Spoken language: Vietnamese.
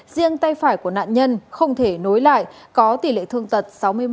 riêng tay phải của nạn nhân không thể nối lại có tỷ lệ thương tật sáu mươi một